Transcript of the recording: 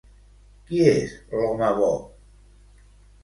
Qui és l'home bo?